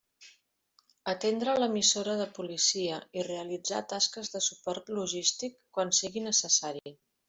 Atendre l'emissora de policia i realitzar tasques de suport logístic quan sigui necessari.